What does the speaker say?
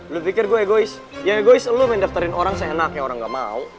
lo pikir gue egois ya egois lo men daftarin orang seenak yang orang gak mau